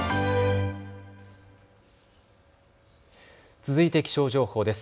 続いて気象情報です。